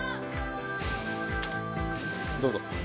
どうぞ。